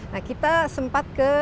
nah kita sempat ke